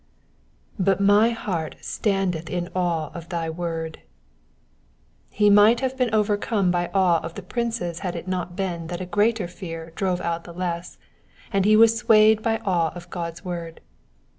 ^^But my heart standeth in awe of thy word.''^ He might have been overcome by awe of the princes had it not been that a greater fear drove out the less, and he was swayed by awe of God's word.